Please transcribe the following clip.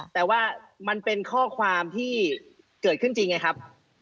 แต่ว่ามันเป็นข้อความที่เกิดขึ้นจริงไงครับ